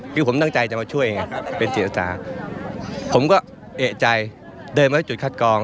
คือผมตั้งใจจะมาช่วยเองอ่ะเป็นศิษย์ศาสตร์ผมก็เอกใจเดินมาจุดคัดกอง